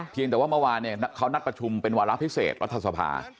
แต่ว่าเมื่อวานเขานัดประชุมเป็นวาระพิเศษรัฐสภา